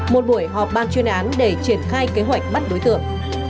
một buổi họp ban chuyên án để triển khai kế hoạch bắt đối tượng